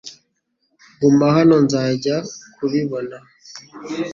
Guma hano .Nzajya kubibona .